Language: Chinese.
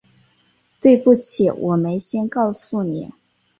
对不起，我没先告诉你